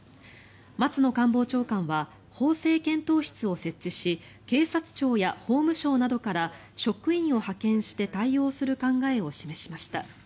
松野官房長官は法制検討室を設置し警察庁や法務省などから職員を派遣して対応する考えを示しました。